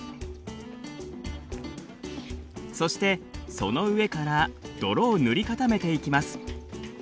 そしてその上から泥を塗り固めていきます。